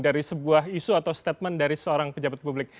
dari sebuah isu atau statement dari seorang pejabat publik